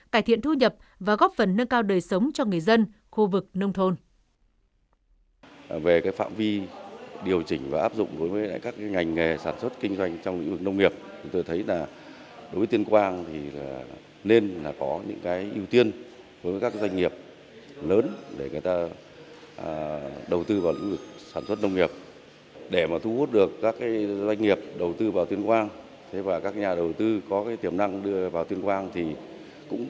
cải thiện thu nhập và góp phần nâng cao đời sống cho người dân khu vực nông thôn